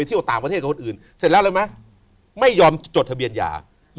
กับคนอื่นเสร็จแล้วไม่ยอมจดทะเบียนหยา